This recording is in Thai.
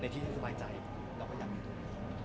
ในที่ที่สบายใจเราก็อยากอยู่